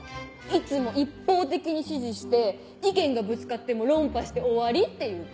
いつも一方的に指示して意見がぶつかっても論破して終わりっていうか。